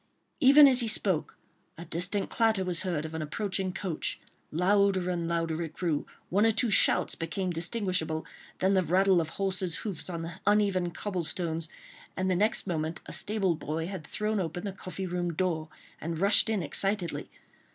Even as he spoke, a distant clatter was heard of an approaching coach; louder and louder it grew, one or two shouts became distinguishable, then the rattle of horses' hoofs on the uneven cobble stones, and the next moment a stable boy had thrown open the coffee room door and rushed in excitedly.